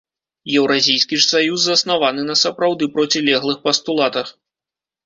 Еўразійскі ж саюз заснаваны на сапраўды процілеглых пастулатах.